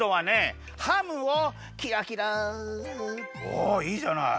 おいいじゃない！